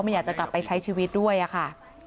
อยากจะกลับไปใช้ชีวิตด้วยอะค่ะ